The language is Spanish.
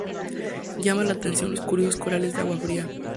Llaman la atención los curiosos corales de aguas frías.